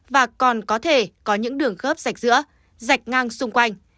và còn có thể có những đường khớp sạch giữa dạch ngang xung quanh